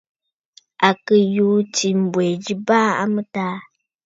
À kɨ̀ yùû ɨ̀tǐ mbwɛ̀ ji baa a mɨtaa.